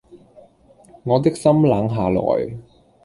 我的心冷下來